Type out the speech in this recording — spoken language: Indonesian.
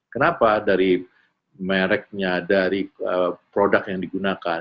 kenapa dari mereknya dari produk yang digunakan